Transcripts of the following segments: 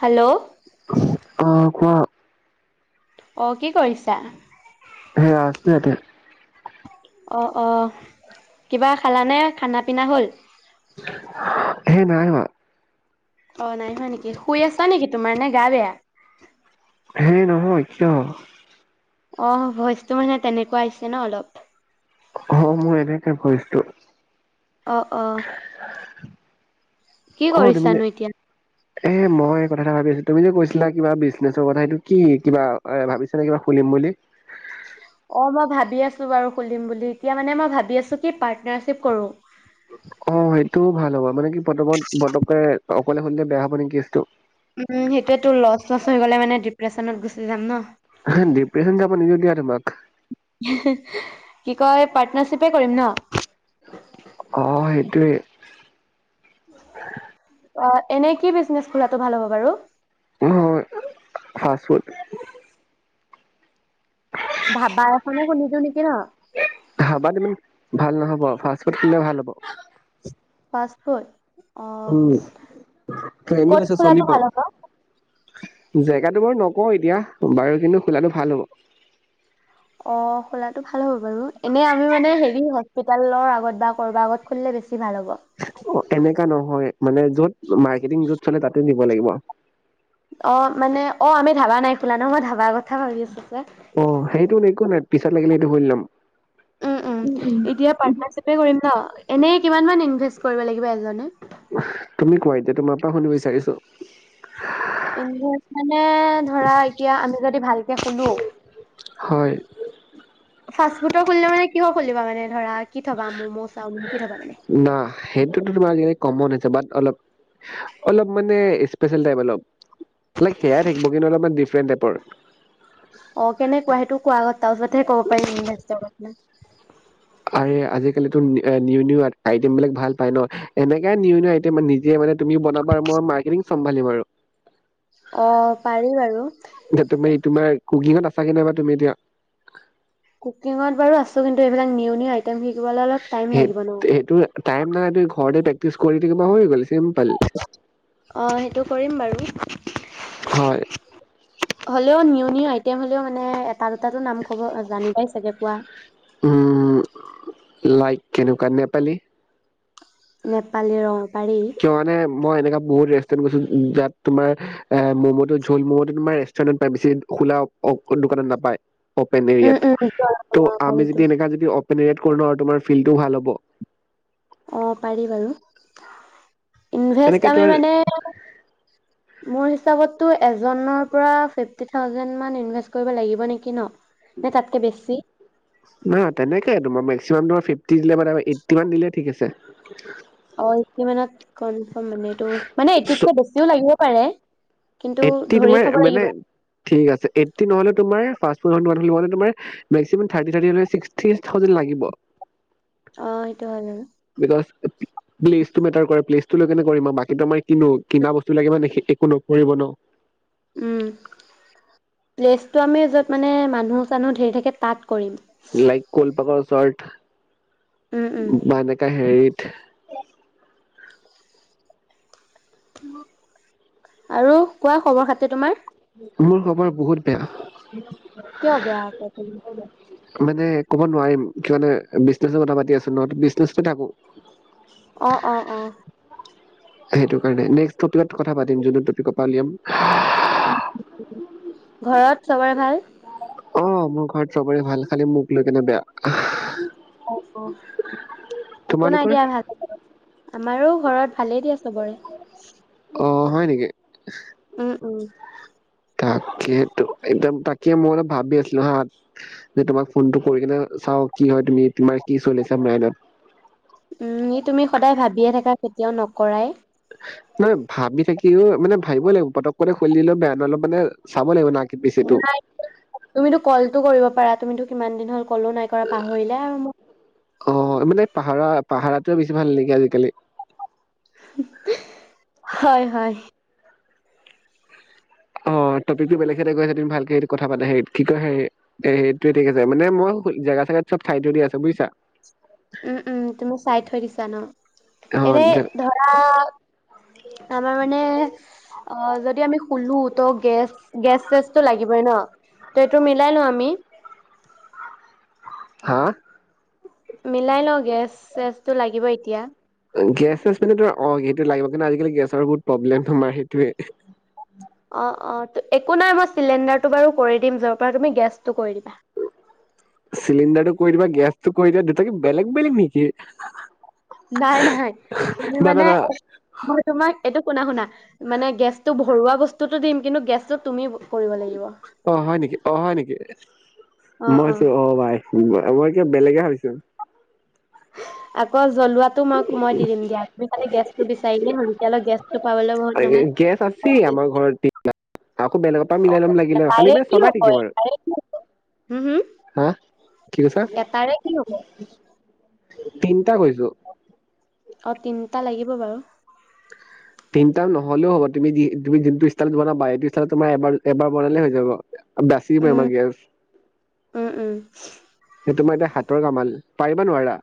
Hello. অ', কোৱা। অ', কি কৰিছা। হে আছো ইয়াতে। অ', অ', কিবা খালানে। খানা-পিনা হ'ল। সেই নাই হোৱা। অ', নাই হোৱা নেকি। শুই আছা নেকি তোমাৰ, নে গা বেয়া। হে নহয় কিয়। অ', ভইচটো মানে তেনেকুৱা আহিছেনে অলপ। অ', মই এনেকা কিৰিছু। অ', অ। কি অ', তুমি যে কৰিছানো এতিয়া। এ মই কথা এটা ভাবি আছিলো। তুমি যে কৈছিলা কিবা বিজনেছৰ কথা, সিইটো কি কিবা এ ভাবিছানে কিবা খুলিম বুলি। অ', মই ভাবি আছো বাৰু খুলিম বুলি। এতিয়া মানে মই ভাবি আছোঁ কি পাৰ্টনাৰশিপ কৰোঁ। অ', সেইটোও ভাল হ'ব মানে কি পতাপত পতককে অকলে খুলিলে বেয়া হ'ব নেকি কেছটো। উম', সেইটোয়ে তো লচ-লচ হৈ গ'লে, মানে ডিপ্ৰেছনত গুচি যাম ন। অহ, ডিপ্ৰেছন যাব নিদিওঁ দিয়া তোমাক। হে হি কি কয় পাৰ্টনাৰশ্বিপে কৰিম ন আহ সেইটোৱে [inaudible] অ এনে কি বিজনেছ খোলাটো ভাল হ'ব বাৰু উ হয় ফাচ ফুদ ধাবা এখনে খুলি দিওঁ নেকি ন ধাবাত ইমান ভাল নহ'ব ফাষ্টফুড খুলিলে ভাল হ'ব ফাচ ফুদ অ উম ট্ৰেণ্ডত ক'ত আছে খুলাটো চলিব ভাল হ'ব জেগাটো বাৰু নকওঁ এতিয়া বাৰু কিন্তু খোলাটো ভাল হ'ব অ খোলাটো ভাল হ'ব বাৰু এনে আমি মানে হেৰি হস্পিতালৰ আগত বা কৰ'বাৰ আগত খুলিলে বেছি ভাল হ'ব। অ এনেকা নহয় মানে য'ত মাৰ্কেটিং যত চলে তাতে দিব লাগিব অ মানে অ আমি ধাবা নাই খোলা ন মই ধাবা আগত অ সেইটো ন এক নাই পিছত লাগিলে এইটো শুৰি ল'ম উম উম এতিয়া পাৰ্টনাৰশ্বিপে কৰিম দ এনেই কিমানমান ইনভেষ্ট কৰিব লাগিব এজনে তুমি কোৱা এতিয়া তোমাৰ পৰা শুনিব বিচাৰিছো ইনভেষ্ট মানে ধৰা এতিয়া আমি যদি ভালকে খোলো হয় ফাষ্ট ফুডৰ খুলিলে মানে কিহৰ খুলিবা মানে ধৰা কি থবা ম'ম' চাওমিন কি থবা মানে? ন সেইটোতো তোমাৰ যেনে কমন হৈছে বাট অলপ অলপ মানে স্পেচিয়েল টাইপ অলপ ল সেয়াই থাকিব কিন্তু অলপমান ফ্ৰেণ্ডেপৰ অ কেনেকুৱা সেইটো কোৱা আগত তাৰ পিছতহে কব পাৰিম [inaudible] আ আজিকালি নিও নিও আইটেম বিলাক ভাল পায় ন এনেকাই নিউ নিও আইটেম, নিজে মানে তুমি বনাবা মই মাৰ্কেটিং চম্ভালিম আৰু অ পাৰিম বাৰু তুমি তোমাৰ কুকিঙত আছাগে নাইবা তুমি এতিয়া কুকিঙত বাৰু আছো কিন্তু এইবিলাক নিয়ম আ সেই সেইটো টাইম নাই ত ঘৰতে প্ৰেকটিচ কৰি থাকিম হৈ গ'ল চিম্পল অ সেইটো কৰিম বাৰু হয় হ'লেও নিউ নিউ আইটেম হলেও মানে তাৰ দুটাতো নাম ক'ব জানি পাই চাগে কোৱা উম লাইক কেনেকুৱা নেপালী নেপালী ৰ পাৰি কিয় মানে মই এনেককা বহুত ৰেষ্টুৰেন্ট গৈছো যাত তোমাৰ ম'ম টো ঝুল ম'ম টো তোমাৰ ৰেষ্টুৰেন্টত প বেছি খোলা দোকানত নাপায় অপেন উম এৰিয়াত ত উম আমি পাৰিতো যদি এনে য আৰু তোমাৰ ফিল্ডটোও ভাল হ'ব অ পাৰি বাৰু এনেকে [unintelligible] আমি তোমাৰ মানে মোৰ হিচাপতো এজ ত ফিফটি থাউজেণ্ড মান ইনভেষ্ট কৰিব লাগিব নেকি ন নে তাতকে বেছি না তেনেকে তোমাৰ মেক্সিমাম তোমাৰ ফি দিলে মানে এইটি মান দিলে ঠিক আছে। অ কি মানত কন কন মানে এইটো মানে এতিতকে বেছিও লাগিব। হ'লেই এইটি তোমাৰ মানে থিক আছে আইটি নহ'লে তোমাৰ ফ্ৰাষ্ট। কৰিব নোৱাৰিলোঁ হয় তুমাৰ মেস্কিমান থ্ৰাতি থ্ৰাতি ছিস্কটি থ্ৰাউজেন লাগিব। অ সেইটো হয় বাৰু। প্লিজটো মেটাৰ কৰে প্লিজ। তু লগে লগে কৰিম বাকীতো মই কিনো কিনা বস্তু লাগে মানে একো নকৰিব ন। উম প্লেচটো আমি য'ত মানে মানুহ চানুহ ধেৰি থাকে তাত কৰিম। লাইক কল পাকৰ ওচৰত। উম, উম। বা এনেকা হেৰিত। [inaudible] উ আৰু কোৱা খবৰ খাতি তোমাৰ। মোৰ খবৰ বহুত বেয়া। কিয় বেয়া আকৌ তুমি কীয়। মানে ক'ব নোৱাৰিম কিয় মানে বিজনে কথা পাতি আছো নহ বিজনেছ ত থাকো। অ অ অ। সেইটো কাৰণে নেক্সট টপিকত কথা পাতিম যোনটো টপিকৰ পৰা উলিয়াম। ঘৰত চবৰে ভাল? অ মোৰ ঘৰত চবৰে ভাল খালি মোক লৈ কেনে বেয়া উ অ। একো নাই তোমালোকৰ দিয়া ভাল। আমাৰো ঘৰত ভালেই দিয়া সবৰে। অঁ হয় নেকি? উম উম। তাকেটো তাকে মই অলপ ভাবি আছিলো হা যে তোমাক ফোনটো কৰি কিনে চাও কি হয় তুমি তোমাৰ কি চলিছা মাইনত। উম ই তুমি সদায় ভাবিয়ে থাকা কেতিয়াও নকৰাই। নহ ভাবি থাকিও মানে ভাবিবই লাগিব পতক খুলি দিলে বেয়া নহ অলপ মানে চাব লাগিব ন। নাই তুমিতো কলটো কৰিব পাৰা তুমিতো। কিমান দিন হ'ল। কলো নাই কৰা পাহৰিলে আৰু মোক। পাহাৰটোৱে বেছি ভাল নেকি? আজিকালি [inaudible] হয় হয়। অ টপিকটো বেলেগ সৈতে গই তুমি ভালকে স কথা পা হে কি কয় হে সেইটোৱে ঠিক আছে মানে মই জোগা চেগাত চব খাই দিউ আছে বুজিছা। উম, উম, তুমি চাই থৈ দিছা ন? অ এনে ধৰা আমাৰ মানে অ যদি আমি শুলো তো গেছ গেছ। চেষ্টটো লাগিবই ন ত এইটো মিলাই লও আমি হা মিলাই লওঁ গেছ চেছটো লাগিব এতিয়া গেছছ মানে ত অ সেইটো লাগিব কিন্তু আজিকালি গেছৰ বহুত প্ৰব্লেম হয় সেইটোৱে অ অ একো নাই মই চিলিণ্ডাৰটো বাৰু কৰি দিম যৰ পৰা তুমি গেছটো কৰি দিবা চিলিণ্ডাৰটো কৈ দিবা গেছতটো কৈ দিবা দুতাকে বেলেগ বেলেগ নেকি নাই নাই তুমি না না মানে না মই তোমাক এইটো শুনা শুনা মানে গেছতটো ভৰোৱা বস্তুতটো দিম কিন্তু গেছটো তুমি কৰিব লাগিব অ হয় নেকি অ হয় নেকি মইছো অ ভাই তবই কিয় বেলেগে ভাবিছোন আকৌ জ্বলোৱাতটো মই মই দি দিম দিয়া খালি গেছতো বিচাৰিলে হ'ল এতিয়া অপ গেছ গেছ আছে আমাৰ ঘৰত আকৌ বেলেগৰ পৰা মিলাই ল'ম লাগিলে তাৰে খালি মান কি চলাই হ'ব থাকিম তাৰে কি হম হম আৰু হা কি কৈছা এটাৰে কি হ'ব? তিনিটা কৈছো অ তিনিটা লাগিব বাৰু তিনিটা নহলেও হ'ব তুমি তুমি যোনটো ষ্টাইলত বনাবা এইটো ষ্টাইলত তোমাৰ এবাৰ এবাৰ বনালে হৈ যাব বাচি উম বেমাৰ গেছ উম উম সেইটো মই এতিয়া হাতৰ কামাল পাৰিবা নোৱাৰা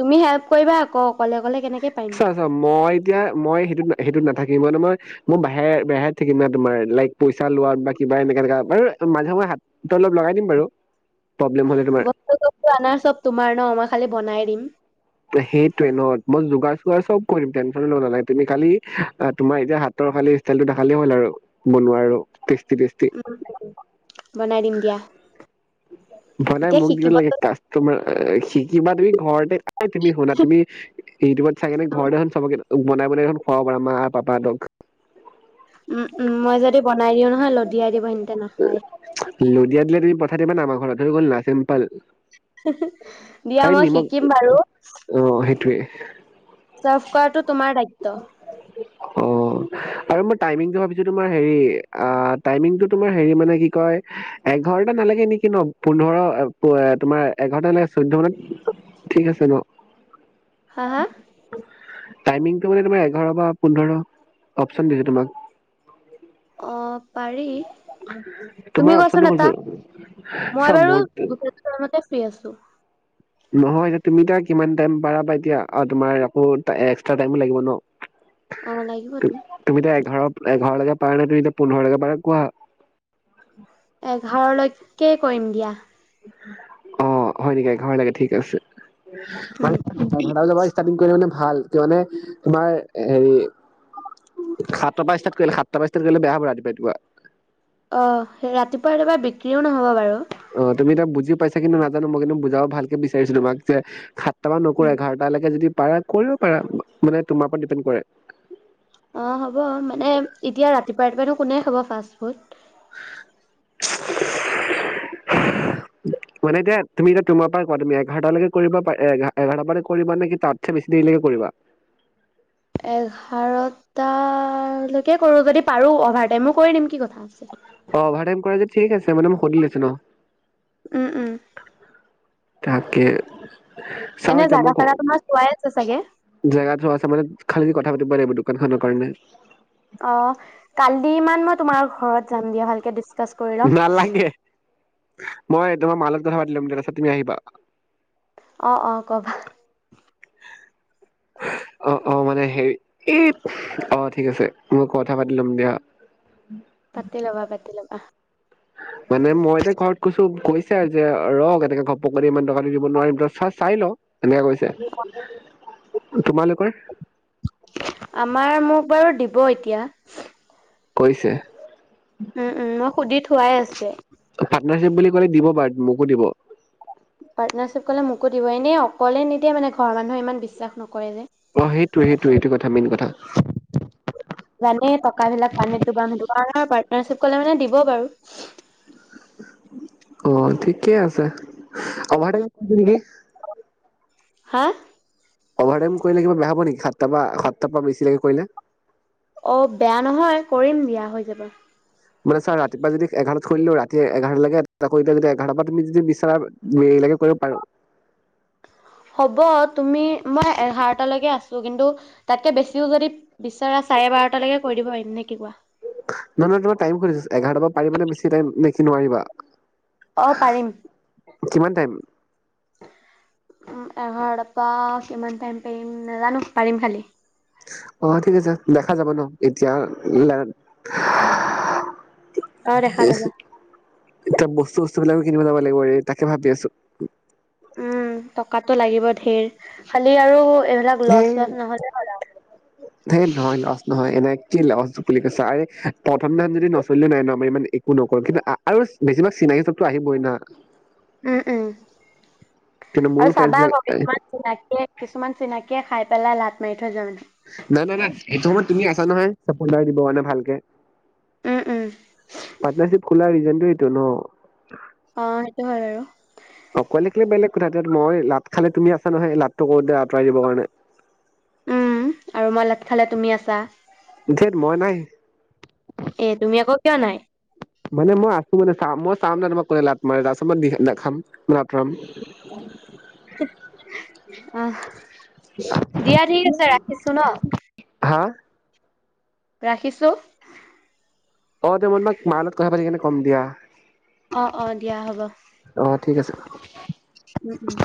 তুমি হেল্প কৰিবা আকৌ অকলে অকলে কেনেকে পাৰিম। চা চা মই এতিয়া মই সেইটো সেইটোত নাথাকিম ম ত মই মই বাহে বেহাইত থাকিম না তোমাৰ লাইক পইচা লোৱ বা কিবা এনেকে এনেকোৱা ব মাজে সময়ে হাতটো অলপ লগাই দিম বাৰু প্ৰব্লেম হ'লে তোমাৰ বস্তু সোষ্টো অনাৰ চব তোমাৰ ন মই খালি বনাই দিম উম সেইটোৱে নহ মই যোগাৰ চোগাৰ চব কৰি দিম টেনচন নাই তুমি খালি তোমাৰ এতিয়া হাতৰ খালি ষ্টাইল খালে হ'ল আৰু বনোৱা আৰু উম বনাই দিম দিয়া। বনাই এতিয়া মোক দিব লাগে শিকিবতো লাগ- কামাৰ শিকিবা তুমি ঘৰতেই তুমি শুনা তুমি ইউটিউবত চাই কেনে ঘৰ দেন চবে বনাই বনাইখন খোৱাব পাৰ মা পাপাহতক উম উম মই যদি বনাই দিওঁ নহয় লদিয়াই দিব সিহঁতে নাখায়। লুধিয়াতলে প পা মানে আমাৰ ঘৰত হৈ গলা চিম্পল দিয়া খালি মই শিকিম বাৰু হয় চাৰ্ভ কৰাটো তোমাৰ দায়িত্ব অ আৰু মই টাইমিংটো ভাবিছো তোমাৰ হেৰি আহ, ' টাইমিংটো তোমাৰ হেৰি মানে কি কয়, এঘাৰটা নালাগে নেকি ন', পোন্ধৰ তোমাৰ এঘাৰটা নে চৈধ্য মানত ঠিক আছে ন',? হা -হা টাইমিংটো মানে তোমাৰ এঘাৰ বা পোন্ধৰ অপচন দিছো তোমাক? অ', পাৰি তুমি তোমাৰ কোৱাচোন অপচনটো এটা সুধিছোঁ মই চা, বাৰু ' দুটা টাইমতে ফ্ৰী আছো। নহয় তুমি এতিয়া কিমান টাইম পাৰা এতিয়া তোমাৰ আকৌ এক্সট্ৰা টাইমো লাগিব ন, ' অহ, লাগিবতো, ধৰক এঘাৰলৈকে পাৰে নাই তুমি এতিয়া পোন্ধৰ লৈকে পাৰা কোৱা? তাকে কৰিম দিয়া। অ', হয় নেকি ঘৰ লাগে ঠিক আছে। উম। এঘাৰটা বজাৰ পৰা ষ্টাৰ্টিং কৰি দিও নে, ভাল কিয় মানে তোমাৰ হেৰি সাতটা পৰা ষ্টাৰ্ট কৰিলে সাতটা ষ্টাৰ্ট কৰিলে বেয়া হ'ব ৰাতিপুৱা -ৰাতিপুৱা। অহ, সেই ৰাতিপুৱা - ৰাতিপুৱা বিক্ৰীও নহব বাৰু। অ ', তুমি এতি়য়া বুজি পাইছা কিন্তু নাজানো মই কিন্তু বুজাব ভালকে বিচাৰিছিলো তোমাক যে, উম, [unintelligible] পাৰা কৰিব পাৰা মানে তোমাৰ ওপৰত ডিপেণ্ড কৰে। অ হ'ব মানে এতিয়া ৰাতিপুৱা ৰাতিপুৱানো কোনে খাব ফাষ্টফুড? মানে এতিয়া তুমি এতিয়া তোমাৰ পৰা কোৱা, তুমি এঘাৰটালৈকে কৰিবা, এঘাৰটাৰ পা কৰিবা নেকি তাতছে বেছি দেৰিলৈকে কৰিবা? এঘাৰটা লৈকে কৰো যদি পাৰো অভাৰটাইমো কৰি দিম কি কথা, আছে। অহ, 'অভাৰটাইম কৰা য, ঠিক আছে মানে মই সুধি লৈছো ন, '- উম-উম তাকে, চাও এনে এতিয়া জাগা মই ঘৰ চাগা তোমাৰ চোৱাই আছে চাগে? জাগা থোৱা আছে মানে খাল, কথা পাতিব লাগিব দোকান খনৰ কাৰণে। অ, ' কালি ইমান মই তোমাৰ ঘৰত যাম দিয়া ভালকে দিছ, কাচ কৰি ল'ম, নালাগে মই তোমাৰ মা লগত কথা পাতি লম দে তাছত তুমি আহিবা অ অ কবা অহ অহ মানে হে এই অহ ঠিক আছে মই কথা পাতি লম দিয়া। পতি ল'বা পতি ল'বা মানে মই এতিয়া ঘৰত কৈছো কৈছে আৰু যে ৰক এনেকে ঘপক ইমান টকাটো দিব নোৱাৰিম ত চ চাই ল। এনেকে কৈছে [inaudible] আমাৰ মোক বাৰু দিব এতিয়া। কৈছে উম উম মই সুধি থো খোৱাই আছে পাৰ্টনাৰশ্বিপ বুলি কলে দিব বাৰু মোকো দিব। পাৰ্টনাৰশ্বিপ ক'লে মোকো দিব এনে অকলে নিদিয়ে মানে ঘৰৰ মানুহে ইমান বিশ্বাস নকৰে যে অ সেইটো সেইটো সেইটো কথা মেইন কথা জানে টকা বিলাক পানীত দোবাম সেইটো কাৰণে পাৰ্টনাৰশ্বিপ কলে মানে দিব বাৰু অহ ঠিকেই আছে অভাৰ টাইম কৰিবি নেকি? হা অভাৰ টাইম কৰিলে কিবা বেয়া হ-ব হব নেকি সাত টা পা সাতটা পা বেছি লেকে কৰিলে অ বেয়া নহয় কৰিম দিয়া হৈ যাব মানে চা ৰ ৰাতিপুৱা যদি এঘাৰটাত খুলিলো ৰাতি এঘাৰটা লৈকে এটা কৰি দি এঘাৰটাৰ পৰা তুমি যদি বিচাৰা মই এইবিলাকে কৰিব পাৰো হ'ব তুমি মই এঘাৰটালৈকে আছো কিন্তু তাতকে বেছিও যদি বিচৰা চাৰে বাৰটালৈকে কৰি দিব পাৰিম নে কি কোৱা ন ন তোমাৰ টাইম খুজিছো এঘাৰটা পা পাৰিবানে বেছি টাইম নেকি অ পাৰিম নোৱাৰিব কিমান টাইম উ এঘাৰটাপা কিমান টাইম পাৰিম নাজানো পাৰিম খালি অ ঠিক আছে দেখা যাব ন এতিয়া [unintelligible] অ দেখা যাবা এতিয়া বস্তু বস্তু বিলাকো কিনিব যাব লাগিব ৰে তাকে ভাবি আছো। উম টকাটো লাগিব ধেৰ খালি আৰু এইবিলাক লছ সেই চছ নহ'লে হ'ল সেইত নহয় লাজ নহয় এনে কি লচ [unintelligible] আৰু প্ৰথম দিনা যদি নচলিলে নাই নহ ইমান একো নকৰো কিন্তু আৰু বেছিভাগ চিনাকি চবতো আহিবই না উম -উম কিন্তু মোৰ আৰু ফ্ৰেণ্ড চাবা বিলাক আকৌ কিছুমান চিনাকিয়ে, কিছুমান চিনাকি, তেতিয়া খাই পেলাই লাত মাৰি থৈ যা, নাই- নাই -নাই সেইটো সময়ত তুমি আছা নহয় চাপৰ্তাৰ দিব মানে ভালকে। উম উম পাৰ্টনাৰশ্বিপ, খোলা ৰিজনটো এইটো ন, ' অহ, 'সেইটো হয় আৰু, অকলে থাকিলে বেলেগ কথা এতি মই লাভ খালে তুমি আছা নহয়, লাভটো কৰোতে আঁতৰাই দিব কাৰণে। উম, আৰু মই লাত খালে তুমি আছা? ধেত মই নাই। এ, তুমি আকৌ কিয় নাই? চা মই চাম ন', তোমাক কোনে লাত মাৰে তাৰপাছত মই দেখাম ন, আতৰাম। আহ, ' দিয়া ঠিক আছে ৰাখিছো ন, '। হা ৰাখিছো। [unintelligible] মা লগত কথা পাতি কিনে কম দিয়া। অ অ দিয়া হব, অ ঠিক আছে উম উম